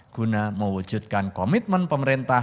guna mewujudkan komitmen pemerintah